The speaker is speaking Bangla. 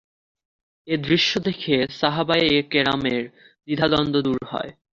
এ দৃশ্য দেখে সাহাবায়ে কেরামের দ্বিধা-দ্বন্দ্ব দূর হয়।